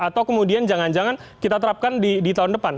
atau kemudian jangan jangan kita terapkan di tahun depan